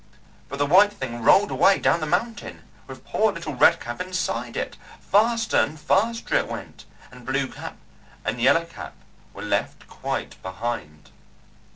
But the white thing rolled away down the mountain with poor little Red Cap inside it; faster and faster it went, and Blue Cap and Yellow Cap were left quite behind.